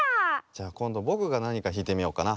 じゃこんどぼくがなにかひいてみようかな。